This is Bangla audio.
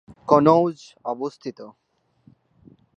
কনৌজ অবস্থিত।